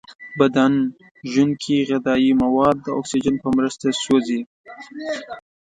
بدن ژونکې غذایي مواد د اکسیجن په مرسته سوځوي.